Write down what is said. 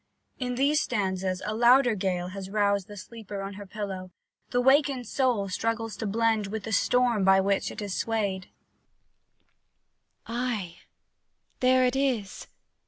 In these stanzas a louder gale has roused the sleeper on her pillow: the wakened soul struggles to blend with the storm by which it is swayed: Ay there it is!